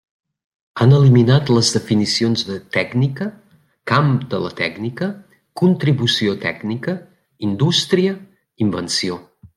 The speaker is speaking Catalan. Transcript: Han eliminat les definicions de “tècnica”, “camp de la tècnica”, “contribució tècnica”, “indústria”, “invenció”.